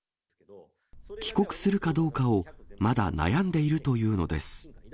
帰国するかどうかを、まだ悩んでいるというのです。